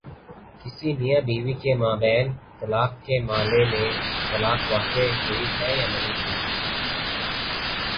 کسی میاں بیوی کے مابین طلاق کے مألے میں کیا طلاق واقع ہوئی ہے یا نہیں ہوئی؟